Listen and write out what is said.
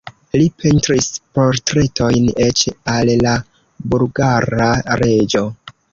Li pentris portretojn eĉ al la bulgara reĝo.